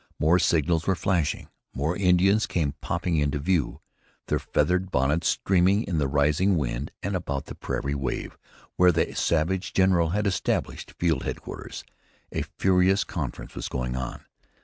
More signals were flashing. More Indians came popping into view, their feathered bonnets streaming in the rising wind, and about the prairie wave, where the savage general had established field headquarters, a furious conference was going on.